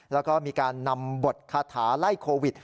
แล้วก็มีการนำบทคาถาไล่โควิด